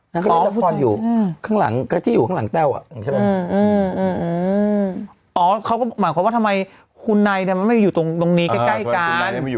นั่นคือพออยู่ที่อยู่ข้างหลังแก้วอะอ๋อเขาหมายความว่าทำไมคุณนายไม่อยู่ตรงนี้ใกล้กัน